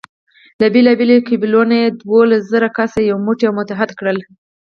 له بېلابېلو قبیلو نه یې دولس زره کسه یو موټی او متحد کړل.